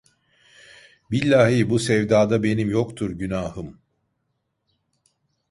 Billahi bu sevdada benim yoktur günahım!